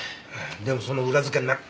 でもその裏付けになる。